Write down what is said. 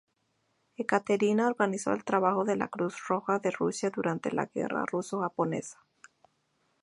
Ekaterina organizó el trabajo de la Cruz Roja de Rusia durante la Guerra ruso-japonesa.